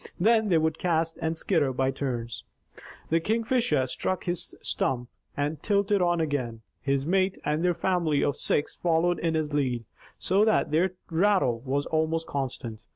Then they would cast and skitter by turns. The Kingfisher struck his stump, and tilted on again. His mate, and their family of six followed in his lead, so that their rattle was almost constant.